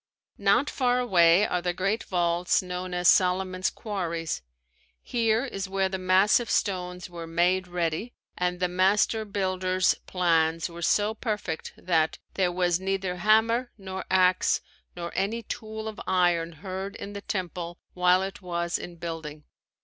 Not far away are the great vaults known as Solomon's Quarries. Here is where the massive stones were "made ready" and the master builder's plans were so perfect that, "there was neither hammer nor ax nor any tool of iron heard in the temple while it was in building."